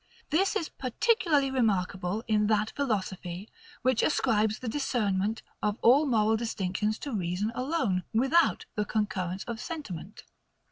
This is particularly remarkable in that philosophy, which ascribes the discernment of all moral distinctions to reason alone, without the concurrence of sentiment.